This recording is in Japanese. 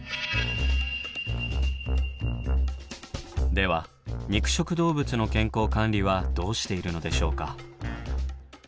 では肉食動物の健康管理はどうしているのでしょうか。